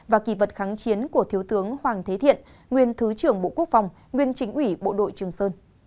và kỳ vật kháng chiến của thiếu tướng hoàng thế thiện nguyên thứ trưởng bộ quốc phòng nguyên chính ủy bộ đội trường sơn